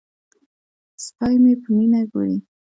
سپی مې په مینه ګوري.